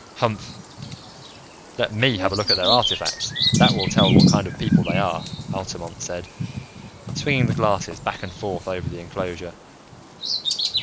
"Humph. Let me have a look at their artifacts: that will tell what kind of people they are," Altamont said, swinging the glasses back and forth over the enclosure.